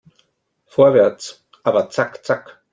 Vorwärts, aber zack zack!